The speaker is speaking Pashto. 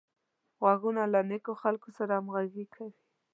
غوږونه له نېکو خلکو سره همغږي کوي